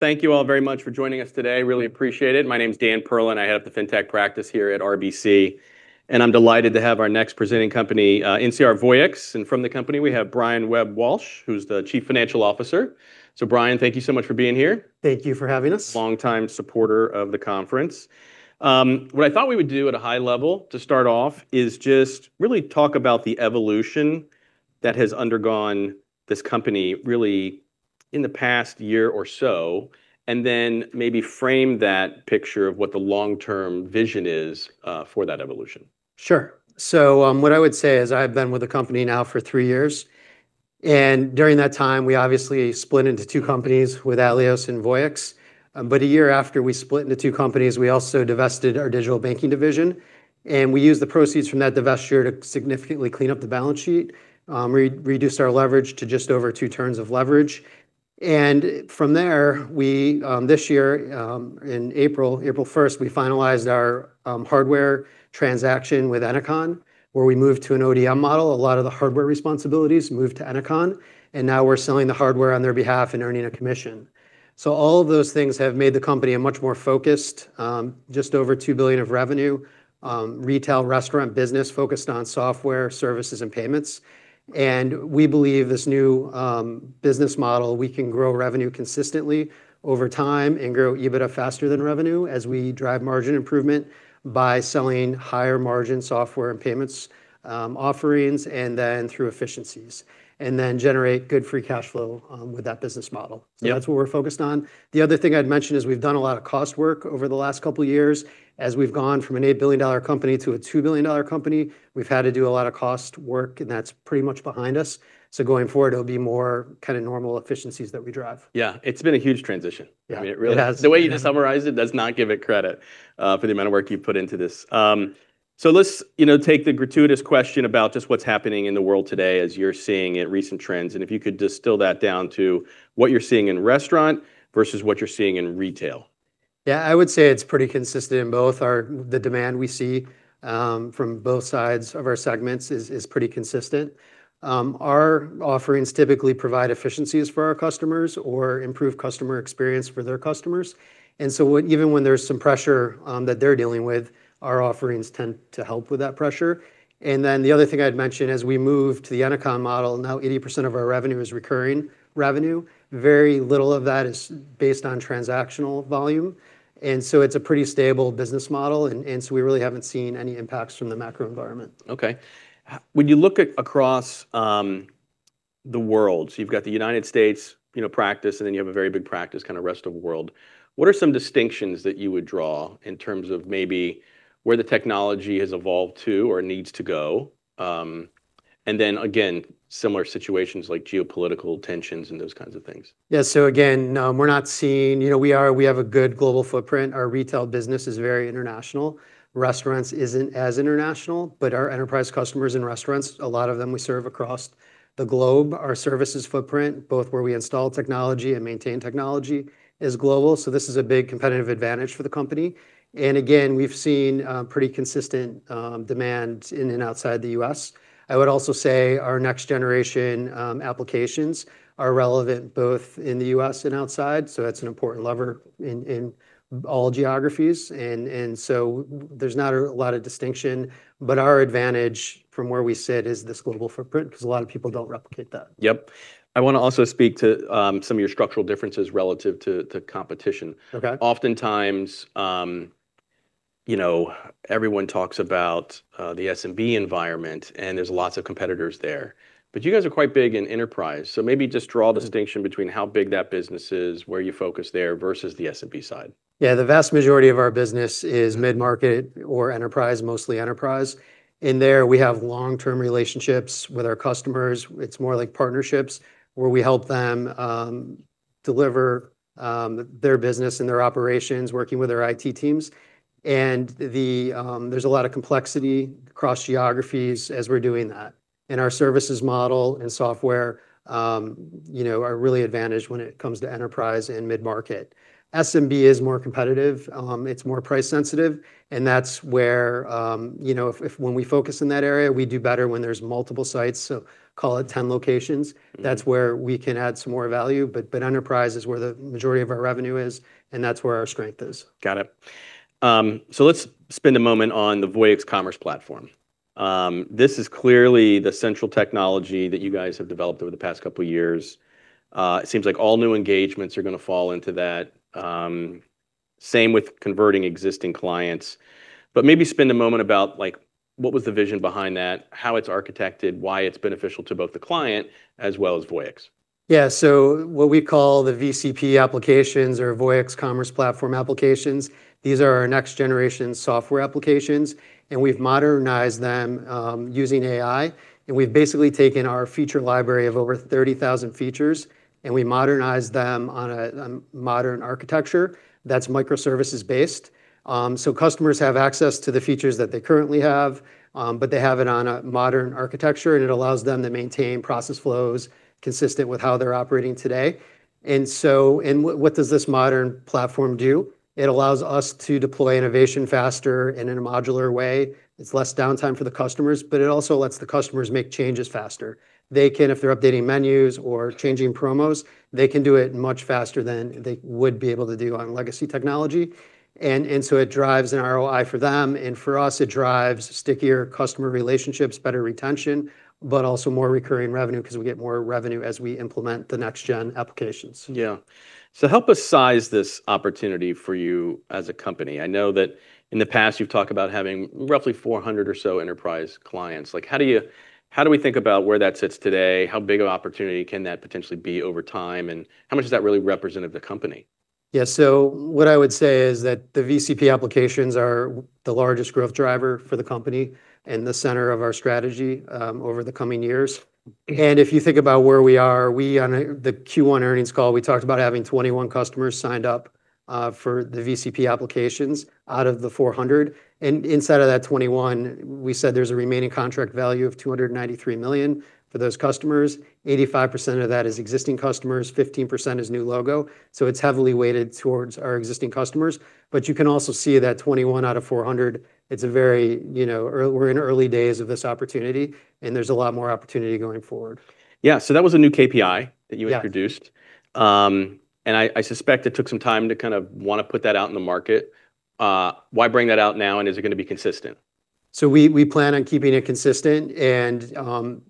Thank you all very much for joining us today. Really appreciate it. My name's Dan Perlin, I head up the Fintech practice here at RBC, and I'm delighted to have our next presenting company, NCR Voyix. From the company, we have Brian Webb-Walsh, who's the Chief Financial Officer. Brian, thank you so much for being here. Thank you for having us. Longtime supporter of the conference. What I thought we would do at a high level to start off is just really talk about the evolution that has undergone this company really in the past year or so, and then maybe frame that picture of what the long-term vision is for that evolution. Sure. What I would say is I've been with the company now for three years, and during that time we obviously split into two companies with Atleos and Voyix. A year after we split into two companies, we also divested our digital banking division, and we used the proceeds from that divestiture to significantly clean up the balance sheet, reduced our leverage to just over two turns of leverage. From there, this year in April 1st, we finalized our hardware transaction with Ennoconn, where we moved to an ODM model. A lot of the hardware responsibilities moved to Ennoconn, and now we're selling the hardware on their behalf and earning a commission. All of those things have made the company a much more focused, just over $2 billion of revenue, retail restaurant, business focused on software services and payments. We believe this new business model, we can grow revenue consistently over time and grow EBITDA faster than revenue as we drive margin improvement by selling higher margin software and payments offerings, then through efficiencies, and then generate good free cash flow with that business model. Yeah. That's what we're focused on. The other thing I'd mention is we've done a lot of cost work over the last couple of years. As we've gone from an $8 billion company to a $2 billion company, we've had to do a lot of cost work, and that's pretty much behind us. Going forward, it'll be more normal efficiencies that we drive. Yeah. It's been a huge transition. Yeah, it has. The way you just summarized it does not give it credit for the amount of work you've put into this. Let's take the gratuitous question about just what's happening in the world today as you're seeing it, recent trends, and if you could distill that down to what you're seeing in restaurant versus what you're seeing in retail. Yeah. I would say it's pretty consistent in both. The demand we see from both sides of our segments is pretty consistent. Our offerings typically provide efficiencies for our customers or improve customer experience for their customers. Even when there's some pressure that they're dealing with, our offerings tend to help with that pressure. The other thing I'd mention, as we move to the Ennoconn model, now 80% of our revenue is recurring revenue. Very little of that is based on transactional volume, it's a pretty stable business model, we really haven't seen any impacts from the macro environment. Okay. When you look at across the world, you've got the U.S. practice and then you have a very big practice kind of rest of the world. What are some distinctions that you would draw in terms of maybe where the technology has evolved to or needs to go? Again, similar situations like geopolitical tensions and those kinds of things. Yeah. Again, we have a good global footprint. Our retail business is very international. Restaurants isn't as international, but our enterprise customers and restaurants, a lot of them we serve across the globe. Our services footprint, both where we install technology and maintain technology, is global. This is a big competitive advantage for the company. Again, we've seen pretty consistent demand in and outside the U.S. I would also say our next generation applications are relevant both in the U.S. and outside, that's an important lever in all geographies. There's not a lot of distinction, but our advantage from where we sit is this global footprint because a lot of people don't replicate that. Yep. I want to also speak to some of your structural differences relative to competition. Okay. Oftentimes, everyone talks about the SMB environment and there's lots of competitors there. You guys are quite big in enterprise, so maybe just draw a distinction between how big that business is, where you focus there versus the SMB side. Yeah. The vast majority of our business is mid-market or enterprise, mostly enterprise. In there, we have long-term relationships with our customers. It's more like partnerships where we help them deliver their business and their operations, working with our IT teams. There's a lot of complexity across geographies as we're doing that. Our services model and software are really advantage when it comes to enterprise and mid-market. SMB is more competitive, it's more price sensitive, and when we focus in that area, we do better when there's multiple sites, so call it 10 locations. That's where we can add some more value. Enterprise is where the majority of our revenue is, and that's where our strength is. Got it. Let's spend a moment on the Voyix Commerce Platform. This is clearly the central technology that you guys have developed over the past couple of years. It seems like all new engagements are going to fall into that. Same with converting existing clients. Maybe spend a moment about what was the vision behind that, how it's architected, why it's beneficial to both the client as well as Voyix. What we call the VCP applications or Voyix Commerce Platform applications, these are our next generation software applications, and we've modernized them using AI. We've basically taken our feature library of over 30,000 features, and we modernized them on a modern architecture that's microservices based. Customers have access to the features that they currently have, but they have it on a modern architecture, and it allows them to maintain process flows consistent with how they're operating today. What does this modern platform do? It allows us to deploy innovation faster and in a modular way. It's less downtime for the customers, but it also lets the customers make changes faster. If they're updating menus or changing promos, they can do it much faster than they would be able to do on legacy technology. It drives an ROI for them, and for us, it drives stickier customer relationships, better retention, but also more recurring revenue because we get more revenue as we implement the next gen applications. Help us size this opportunity for you as a company. I know that in the past you've talked about having roughly 400 or so enterprise clients. How do we think about where that sits today? How big of an opportunity can that potentially be over time, and how much does that really represent of the company? What I would say is that the VCP applications are the largest growth driver for the company and the center of our strategy over the coming years. If you think about where we are, we on the Q1 earnings call, we talked about having 21 customers signed up for the VCP applications out of the 400 customers. Inside of that 21 customers, we said there's a remaining contract value of $293 million for those customers. 85% of that is existing customers, 15% is new logo. It's heavily weighted towards our existing customers. You can also see that 21 out of 400 customers, we're in early days of this opportunity, and there's a lot more opportunity going forward. Yeah. That was a new KPI that you Yeah introduced. I suspect it took some time to want to put that out in the market. Why bring that out now, and is it going to be consistent? We plan on keeping it consistent and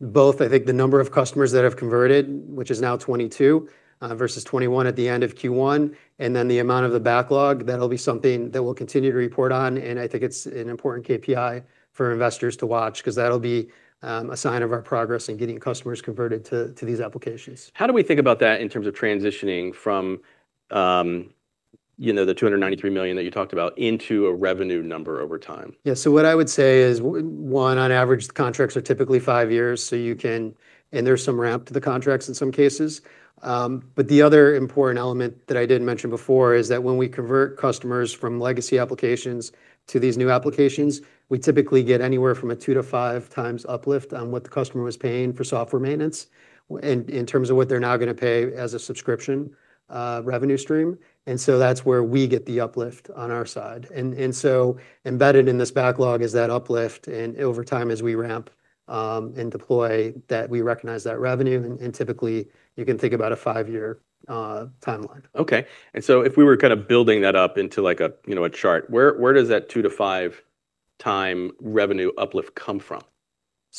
both I think the number of customers that have converted, which is now 22 customers, versus 21 customers at the end of Q1, and then the amount of the backlog, that'll be something that we'll continue to report on. I think it's an important KPI for investors to watch because that'll be a sign of our progress in getting customers converted to these applications. How do we think about that in terms of transitioning from the $293 million that you talked about into a revenue number over time? Yeah. What I would say is, one, on average, contracts are typically five years, there's some ramp to the contracts in some cases. The other important element that I didn't mention before is that when we convert customers from legacy applications to these new applications, we typically get anywhere from a two to five times uplift on what the customer was paying for software maintenance in terms of what they're now going to pay as a subscription revenue stream. That's where we get the uplift on our side. Embedded in this backlog is that uplift, over time as we ramp and deploy, that we recognize that revenue. Typically you can think about a five-year timeline. Okay. If we were building that up into a chart, where does that 2x to 5x revenue uplift come from?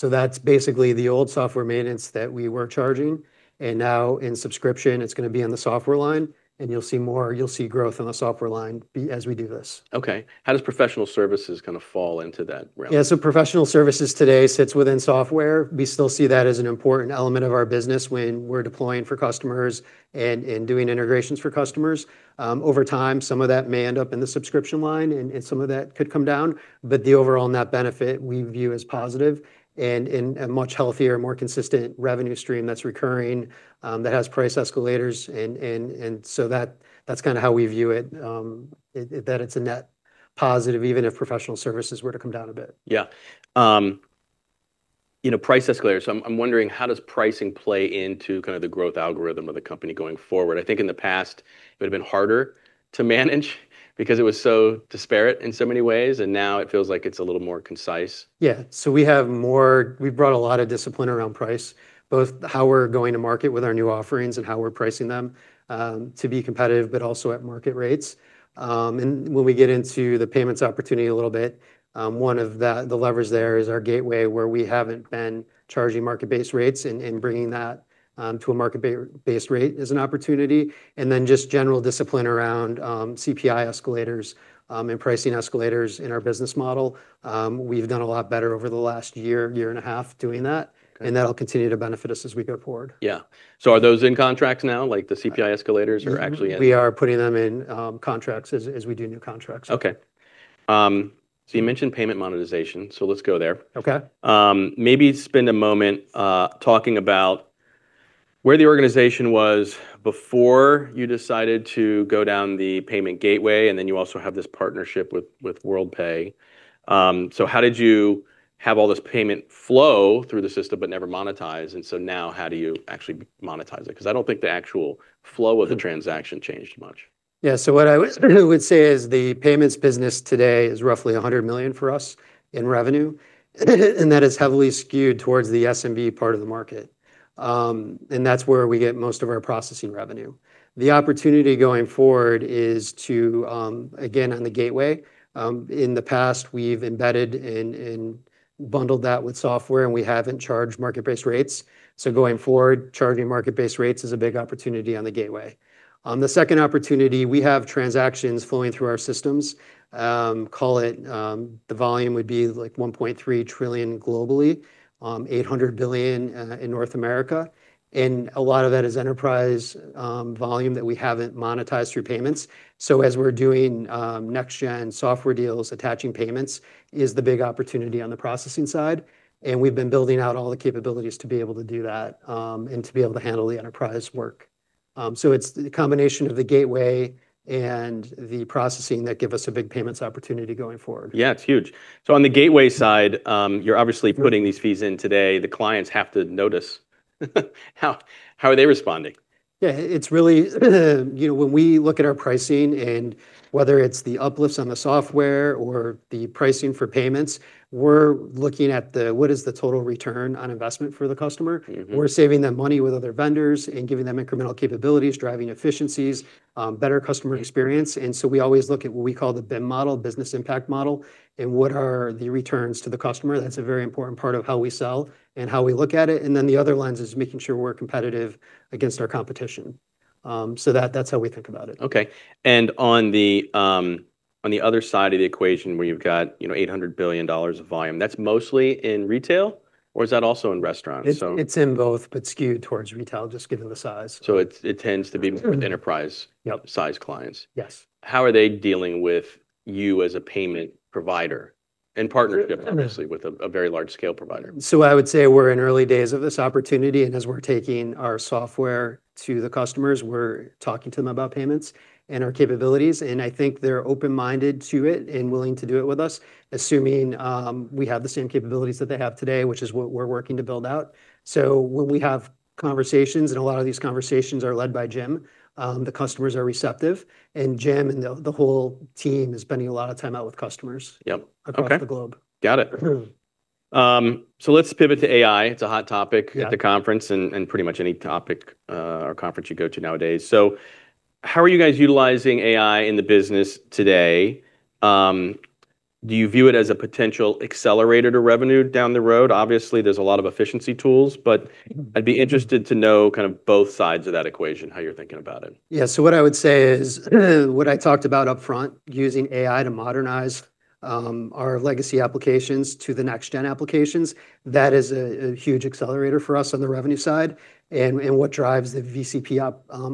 That's basically the old software maintenance that we were charging, now in subscription, it's going to be in the software line, you'll see growth in the software line as we do this. Okay. How does professional services fall into that realm? Yeah. Professional services today sits within software. We still see that as an important element of our business when we're deploying for customers and doing integrations for customers. Over time, some of that may end up in the subscription line and some of that could come down. The overall net benefit we view as positive and a much healthier, more consistent revenue stream that's recurring, that has price escalators. That's how we view it, that it's a net positive, even if professional services were to come down a bit. Yeah. Price escalators. I'm wondering, how does pricing play into the growth algorithm of the company going forward? I think in the past it would've been harder to manage because it was so disparate in so many ways, and now it feels like it's a little more concise. Yeah. We've brought a lot of discipline around price, both how we're going to market with our new offerings and how we're pricing them, to be competitive, but also at market rates. When we get into the payments opportunity a little bit, one of the levers there is our gateway where we haven't been charging market-based rates, and bringing that to a market-based rate is an opportunity. Just general discipline around CPI escalators, and pricing escalators in our business model. We've done a lot better over the last year and a half doing that. Okay. That'll continue to benefit us as we go forward. Yeah. Are those in contracts now? Like the CPI escalators are actually in? We are putting them in contracts as we do new contracts. Okay. You mentioned payment monetization, so let's go there. Okay. Maybe spend a moment talking about where the organization was before you decided to go down the payment gateway, then you also have this partnership with Worldpay. How did you have all this payment flow through the system but never monetize? Now how do you actually monetize it? Because I don't think the actual flow of the transaction changed much. Yeah. What I would say is the payments business today is roughly $100 million for us in revenue, that is heavily skewed towards the SMB part of the market. That's where we get most of our processing revenue. The opportunity going forward is to, again, on the gateway. In the past, we've embedded and bundled that with software, we haven't charged market-based rates. Going forward, charging market-based rates is a big opportunity on the gateway. The second opportunity, we have transactions flowing through our systems. Call it the volume would be $1.3 trillion globally, $800 billion in North America, a lot of that is enterprise volume that we haven't monetized through payments. As we're doing next-gen software deals, attaching payments is the big opportunity on the processing side, we've been building out all the capabilities to be able to do that, to be able to handle the enterprise work. It's the combination of the gateway and the processing that give us a big payments opportunity going forward. Yeah. It's huge. On the gateway side, you're obviously putting these fees in today. The clients have to notice. How are they responding? Yeah. When we look at our pricing and whether it's the uplifts on the software or the pricing for payments, we're looking at the what is the total return on investment for the customer. We're saving them money with other vendors and giving them incremental capabilities, driving efficiencies, better customer experience. We always look at what we call the BIM model, Business Impact Model, and what are the returns to the customer. That's a very important part of how we sell and how we look at it. The other lens is making sure we're competitive against our competition. That's how we think about it. Okay. On the other side of the equation, where you've got $800 billion of volume, that's mostly in retail? Is that also in restaurants? It's in both, skewed towards retail, just given the size. it tends to be Sure more enterprise Yep size clients. Yes. How are they dealing with you as a payment provider, in partnership, obviously, with a very large-scale provider? I would say we're in early days of this opportunity. As we're taking our software to the customers, we're talking to them about payments and our capabilities. I think they're open-minded to it and willing to do it with us, assuming we have the same capabilities that they have today, which is what we're working to build out. When we have conversations, a lot of these conversations are led by Jim, the customers are receptive. Jim and the whole team is spending a lot of time out with customers. Yep, okay. across the globe. Got it. Let's pivot to AI. It's a hot topic. Yeah at the conference, and pretty much any topic or conference you go to nowadays. How are you guys utilizing AI in the business today? Do you view it as a potential accelerator to revenue down the road? Obviously, there's a lot of efficiency tools, but I'd be interested to know both sides of that equation, how you're thinking about it. Yeah. What I would say is, what I talked about upfront, using AI to modernize our legacy applications to the next-gen applications. That is a huge accelerator for us on the revenue side and what drives the VCP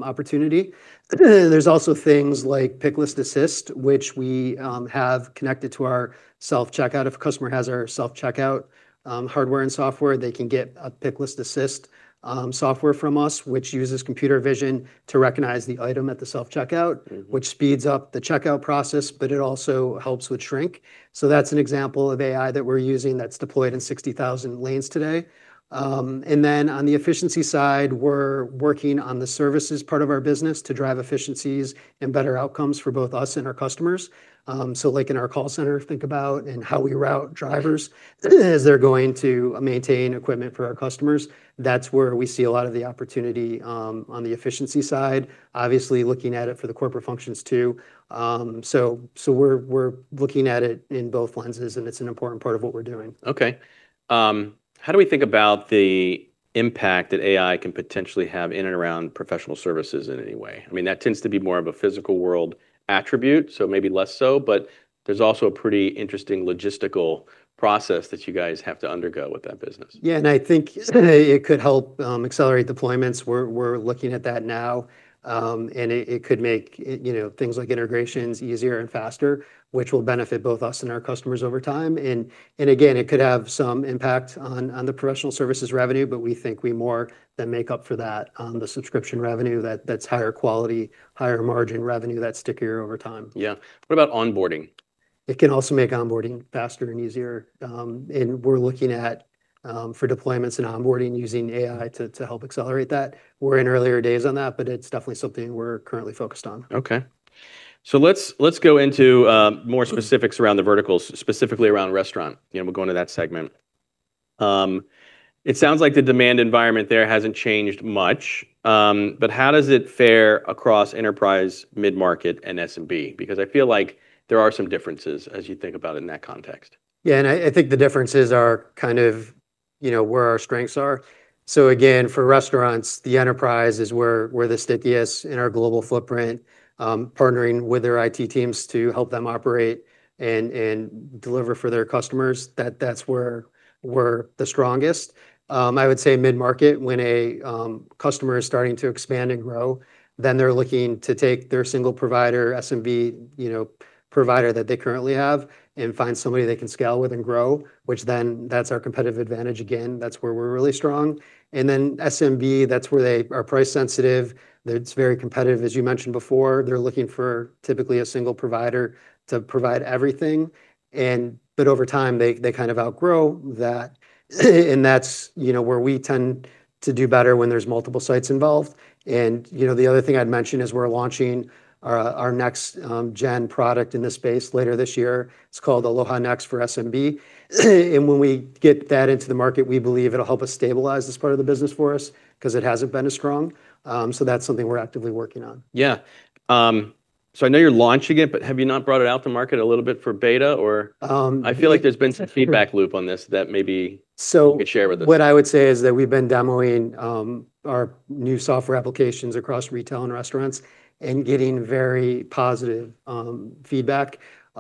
opportunity. There's also things like Picklist Assist, which we have connected to our self-checkout. If a customer has our self-checkout hardware and software, they can get a Picklist Assist software from us, which uses computer vision to recognize the item at the self-checkout. which speeds up the checkout process, but it also helps with shrink. That's an example of AI that we're using that's deployed in 60,000 lanes today. On the efficiency side, we're working on the services part of our business to drive efficiencies and better outcomes for both us and our customers. Like in our call center, think about in how we route drivers as they're going to maintain equipment for our customers. That's where we see a lot of the opportunity on the efficiency side. Obviously, looking at it for the corporate functions, too. We're looking at it in both lenses, and it's an important part of what we're doing. Okay. How do we think about the impact that AI can potentially have in and around professional services in any way? That tends to be more of a physical world attribute, so maybe less so, but there's also a pretty interesting logistical process that you guys have to undergo with that business. Yeah, I think it could help accelerate deployments. We're looking at that now. It could make things like integrations easier and faster, which will benefit both us and our customers over time. Again, it could have some impact on the professional services revenue, but we think we more than make up for that on the subscription revenue that's higher quality, higher margin revenue, that's stickier over time. Yeah. What about onboarding? It can also make onboarding faster and easier. We're looking at, for deployments and onboarding, using AI to help accelerate that. We're in earlier days on that, but it's definitely something we're currently focused on. Okay. Let's go into more specifics around the verticals, specifically around restaurant. We'll go into that segment. It sounds like the demand environment there hasn't changed much. How does it fare across enterprise, mid-market, and SMB? Because I feel like there are some differences as you think about it in that context. Yeah, I think the differences are where our strengths are. Again, for restaurants, the enterprise is where they stickiest in our global footprint, partnering with their IT teams to help them operate and deliver for their customers. That's where we're the strongest. I would say mid-market, when a customer is starting to expand and grow, they're looking to take their single provider, SMB provider that they currently have, and find somebody they can scale with and grow, which that's our competitive advantage again. That's where we're really strong. SMB, that's where they are price sensitive. It's very competitive, as you mentioned before. They're looking for typically a single provider to provide everything, but over time, they kind of outgrow that, and that's where we tend to do better when there's multiple sites involved. The other thing I'd mention is we're launching our next-gen product in this space later this year. It's called Aloha Next for SMB. When we get that into the market, we believe it'll help us stabilize this part of the business for us because it hasn't been as strong. That's something we're actively working on. Yeah. I know you're launching it, have you not brought it out to market a little bit for beta or? I feel like there's been some feedback loop on this that maybe. So- you could share with us What I would say is that we've been demoing our new software applications across retail and restaurants and getting very positive feedback. The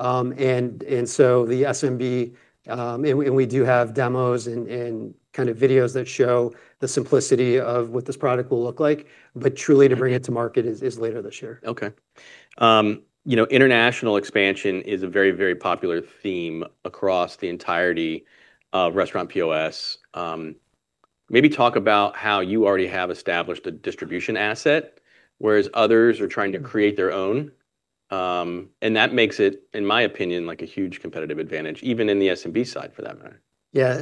SMB, and we do have demos and kind of videos that show the simplicity of what this product will look like. Truly to bring it to market is later this year. Okay. International expansion is a very, very popular theme across the entirety of restaurant POS. Maybe talk about how you already have established a distribution asset, whereas others are trying to create their own. That makes it, in my opinion, a huge competitive advantage, even in the SMB side, for that matter. Yeah.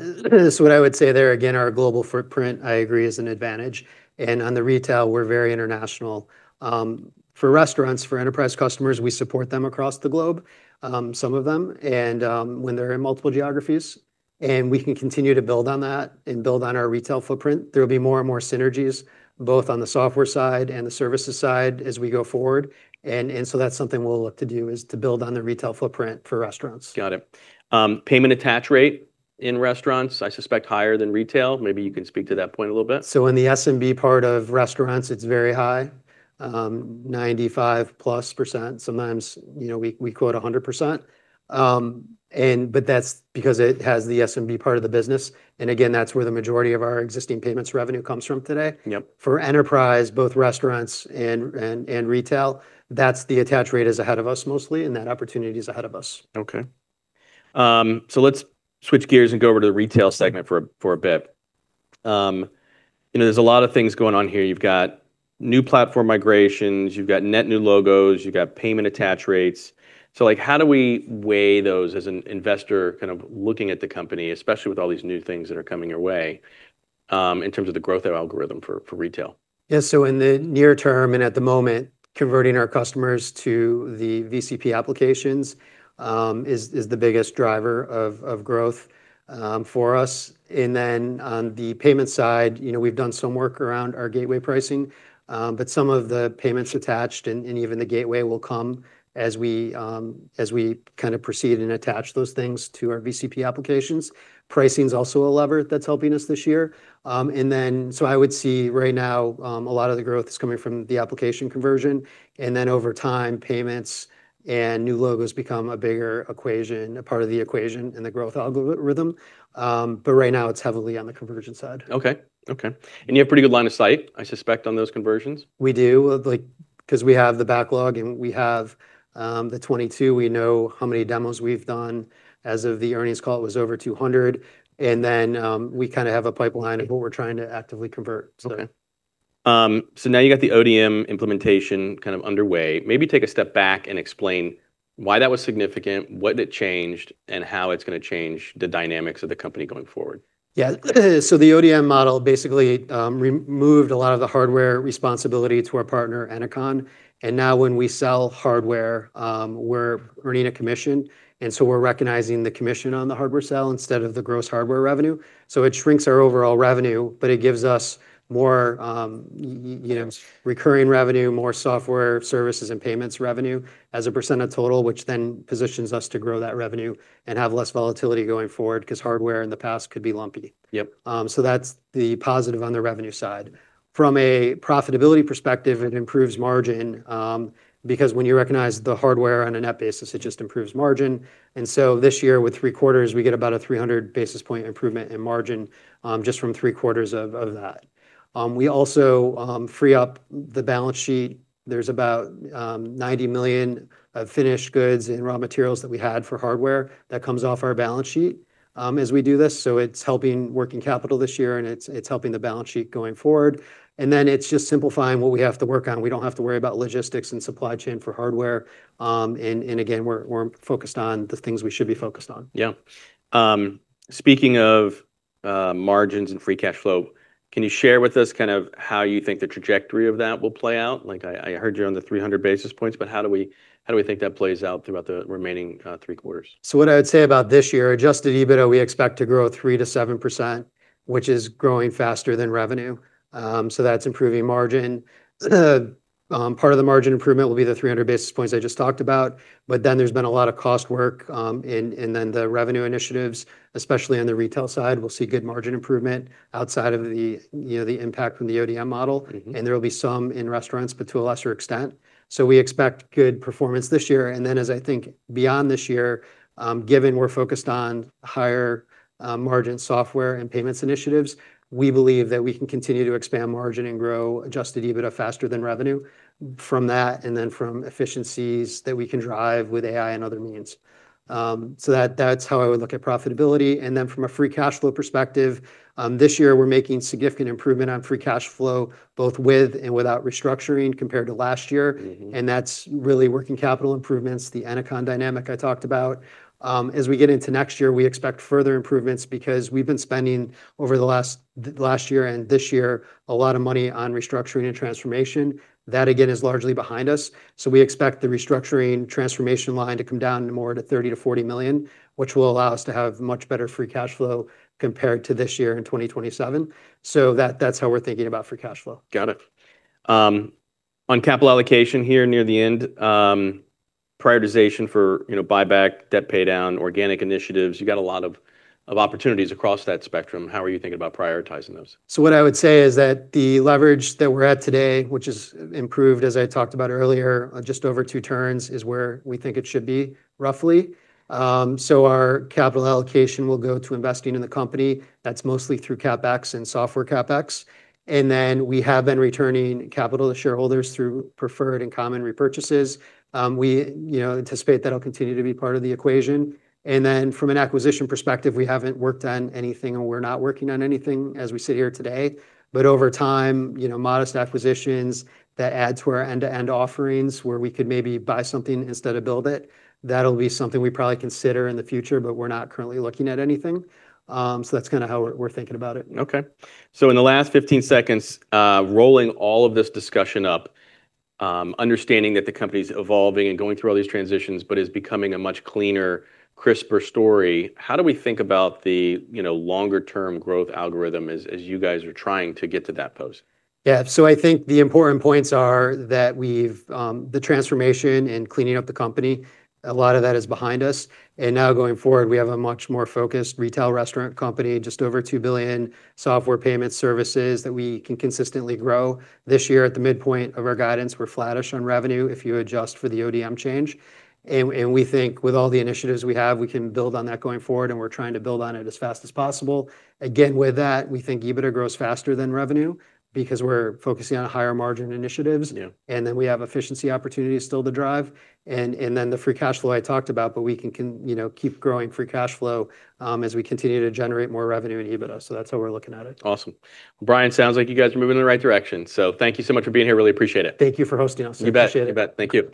What I would say there, again, our global footprint, I agree, is an advantage. On the retail, we're very international. For restaurants, for enterprise customers, we support them across the globe, some of them, and when they're in multiple geographies, and we can continue to build on that and build on our retail footprint. There'll be more and more synergies both on the software side and the services side as we go forward. That's something we'll look to do is to build on the retail footprint for restaurants. Got it. Payment attach rate in restaurants, I suspect higher than retail. Maybe you can speak to that point a little bit. In the SMB part of restaurants, it's very high, 95+%. Sometimes we quote 100%. That's because it has the SMB part of the business, and again, that's where the majority of our existing payments revenue comes from today. Yep. For enterprise, both restaurants and retail, that's the attach rate is ahead of us mostly, and that opportunity is ahead of us. Okay. Let's switch gears and go over to the retail segment for a bit. There's a lot of things going on here. You've got new platform migrations, you've got net new logos, you've got payment attach rates. How do we weigh those as an investor kind of looking at the company, especially with all these new things that are coming your way, in terms of the growth algorithm for retail? Yeah. In the near term and at the moment, converting our customers to the VCP applications is the biggest driver of growth for us. On the payment side, we've done some work around our gateway pricing, but some of the payments attached, and even the gateway will come as we kind of proceed and attach those things to our VCP applications. Pricing's also a lever that's helping us this year. I would see right now, a lot of the growth is coming from the application conversion, and then over time, payments and new logos become a bigger part of the equation in the growth algorithm. But right now, it's heavily on the conversion side. Okay. You have pretty good line of sight, I suspect, on those conversions? We do, because we have the backlog, and we have the 22. We know how many demos we've done. As of the earnings call, it was over 200. Then, we kind of have a pipeline of what we're trying to actively convert. Okay. Now you've got the ODM implementation kind of underway. Maybe take a step back and explain why that was significant, what it changed, and how it's going to change the dynamics of the company going forward. Yeah. The ODM model basically removed a lot of the hardware responsibility to our partner, Ennoconn. Now when we sell hardware, we're earning a commission. We're recognizing the commission on the hardware sale instead of the gross hardware revenue. It shrinks our overall revenue, but it gives us more- Yeah recurring revenue, more software services, and payments revenue as a percent of total, which positions us to grow that revenue and have less volatility going forward, because hardware in the past could be lumpy. Yep. That's the positive on the revenue side. From a profitability perspective, it improves margin, because when you recognize the hardware on a net basis, it just improves margin. This year, with three quarters, we get about a 300 basis point improvement in margin, just from three quarters of that. We also free up the balance sheet. There's about $90 million of finished goods and raw materials that we had for hardware. That comes off our balance sheet as we do this, so it's helping working capital this year, and it's helping the balance sheet going forward. It's just simplifying what we have to work on. We don't have to worry about logistics and supply chain for hardware. Again, we're focused on the things we should be focused on. Yeah. Speaking of margins and free cash flow, can you share with us how you think the trajectory of that will play out? I heard you on the 300 basis points, how do we think that plays out throughout the remaining three quarters? What I would say about this year, Adjusted EBITDA, we expect to grow 3%-7%, which is growing faster than revenue. That's improving margin. Part of the margin improvement will be the 300 basis points I just talked about, but there's been a lot of cost work. The revenue initiatives, especially on the retail side, will see good margin improvement outside of the impact from the ODM model. There will be some in restaurants, but to a lesser extent. We expect good performance this year. As I think beyond this year, given we're focused on higher margin software and payments initiatives, we believe that we can continue to expand margin and grow Adjusted EBITDA faster than revenue from that, and from efficiencies that we can drive with AI and other means. That's how I would look at profitability. From a free cash flow perspective, this year we're making significant improvement on free cash flow, both with and without restructuring compared to last year. That's really working capital improvements, the Ennoconn dynamic I talked about. As we get into next year, we expect further improvements because we've been spending over the last year and this year a lot of money on restructuring and transformation. That, again, is largely behind us. We expect the restructuring transformation line to come down more to $30 million-$40 million, which will allow us to have much better free cash flow compared to this year in 2027. That's how we're thinking about free cash flow. Got it. On capital allocation here near the end, prioritization for buyback, debt paydown, organic initiatives. You've got a lot of opportunities across that spectrum. How are you thinking about prioritizing those? What I would say is that the leverage that we're at today, which has improved, as I talked about earlier, just over two turns, is where we think it should be, roughly. Our capital allocation will go to investing in the company. That's mostly through CapEx and software CapEx. We have been returning capital to shareholders through preferred and common repurchases. We anticipate that'll continue to be part of the equation. From an acquisition perspective, we haven't worked on anything, and we're not working on anything as we sit here today. Over time, modest acquisitions that add to our end-to-end offerings, where we could maybe buy something instead of build it, that'll be something we probably consider in the future. We're not currently looking at anything. That's kind of how we're thinking about it. Okay. In the last 15 seconds, rolling all of this discussion up, understanding that the company's evolving and going through all these transitions, but is becoming a much cleaner, crisper story. How do we think about the longer-term growth algorithm as you guys are trying to get to that pose? Yeah. I think the important points are the transformation and cleaning up the company. A lot of that is behind us, and now going forward, we have a much more focused retail restaurant company, just over $2 billion software payment services that we can consistently grow. This year, at the midpoint of our guidance, we're flattish on revenue if you adjust for the ODM change. We think with all the initiatives we have, we can build on that going forward, and we're trying to build on it as fast as possible. Again, with that, we think EBITDA grows faster than revenue because we're focusing on higher margin initiatives. Yeah. We have efficiency opportunities still to drive. The free cash flow I talked about, but we can keep growing free cash flow as we continue to generate more revenue in EBITDA. That's how we're looking at it. Awesome. Brian, sounds like you guys are moving in the right direction. Thank you so much for being here. Really appreciate it. Thank you for hosting us. You bet. Appreciate it. You bet. Thank you.